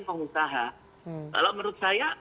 pengusaha kalau menurut saya